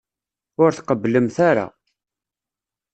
Ur tqebblemt ara.